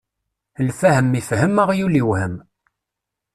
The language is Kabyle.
Lfahem ifhem aɣyul iwhem.